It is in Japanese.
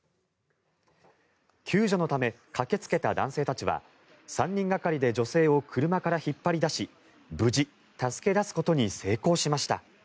救助のため駆けつけた男性たちは３人がかりで女性を車から引っ張り出し無事、助け出すことに成功しました。